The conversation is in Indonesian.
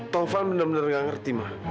taufan benar benar nggak ngerti mah